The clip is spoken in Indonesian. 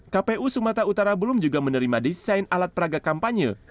kpu sumatera utara belum juga menerima desain alat peraga kampanye